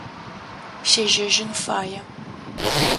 Сежьэжьын фае.